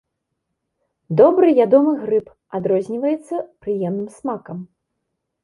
Добры ядомы грыб, адрозніваецца прыемным смакам.